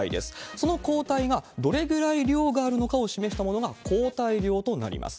その抗体がどれぐらい量があるのかを示したものが抗体量となります。